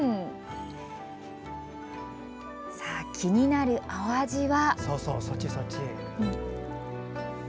気になるお味は。